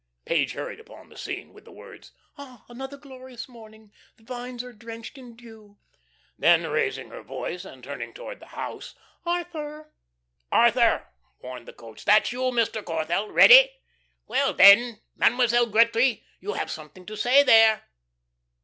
Page hurried upon the scene with the words: "'Ah, another glorious morning. The vines are drenched in dew.'" Then, raising her voice and turning toward the "house," "'Arthur.'" "'Arthur,'" warned the coach. "That's you. Mr. Corthell. Ready. Well then, Mademoiselle Gretry, you have something to say there."